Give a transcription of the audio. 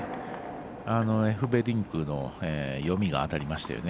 エフベリンクの読みが当たりましたよね。